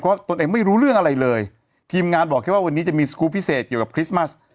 เพราะตนเองไม่รู้เรื่องอะไรเลยทีมงานบอกแค่ว่าวันนี้จะมีสกรูปพิเศษเกี่ยวกับคริสต์มัส